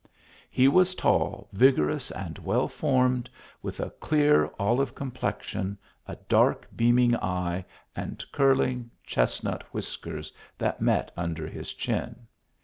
He was tall, vigorous, and well formed, with a clear, olive complexion a dark beaming eye, and curling, chestnut whiskers, that met under his chin.